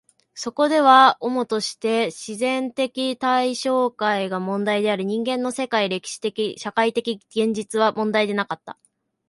そこでは主として自然的対象界が問題であり、人間の世界、歴史的・社会的現実は問題でなかった。